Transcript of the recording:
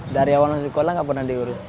dari awal langsung sekolah tidak pernah diurus